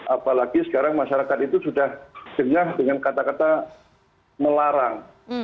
apalagi sekarang masyarakat itu sudah jenyah dengan kata kata melarang